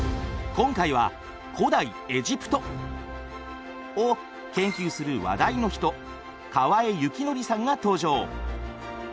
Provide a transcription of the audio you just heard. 今回は古代エジプト！を研究する話題の人河江肖剰さんが登場！